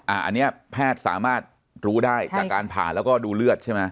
อันนี้แพทย์สามารถรู้ได้จากการผ่าแล้วก็ดูเลือดใช่ไหม